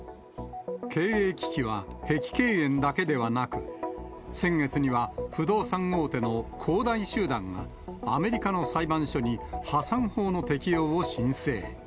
経営危機は碧桂園だけではなく、先月には、不動産大手の恒大集団が、アメリカの裁判所に破産法の適用を申請。